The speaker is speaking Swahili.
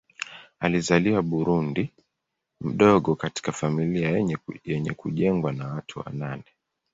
Alizaliwa Burundi mdogo katika familia yenye kujengwa na watu wa nane.